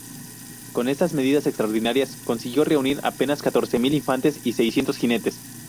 Con estas medidas extraordinarias consiguió reunir apenas catorce mil infantes y seiscientos jinetes.